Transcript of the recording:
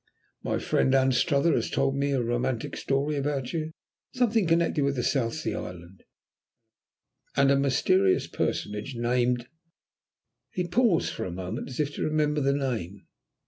My friend, Anstruther, has told me a romantic story about you. Something connected with a South Sea island, and a mysterious personage named " He paused for a moment as if to remember the name.